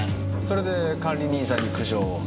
それで管理人さんに苦情を。